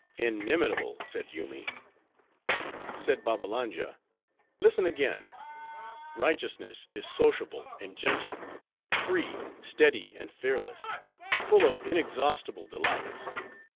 "Inimitable," said Yoomy. Said Babbalanja, "Listen again:—'Righteousness is sociable and gentle; free, steady, and fearless; full of inexhaustible delights.